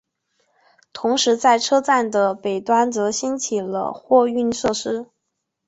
同时在车站的北端则兴起了货运设施。